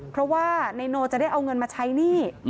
เพราะว่านายโนจะได้เอาเงินมาใช้หนี้